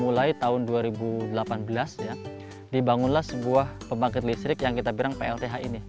mulai tahun dua ribu delapan belas dibangunlah sebuah pembangkit listrik yang kita bilang plth ini